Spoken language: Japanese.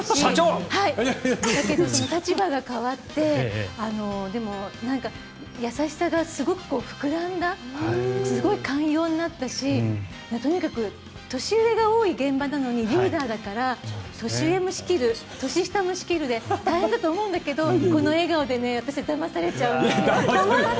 だけど、立場が変わってでも、優しさがすごく膨らんだすごく寛容になったしとにかく年上が多い現場なのにリーダーだから年上も仕切る、年下も仕切るで大変だと思うんだけどこの笑顔で私はだまされちゃうんです。